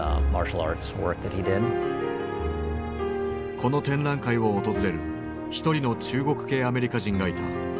この展覧会を訪れる一人の中国系アメリカ人がいた。